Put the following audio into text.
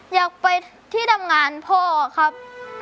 อยากไปที่ทำงานพ่อครับ